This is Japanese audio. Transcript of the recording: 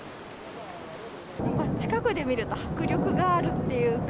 近くで見ると、迫力があるっていうか。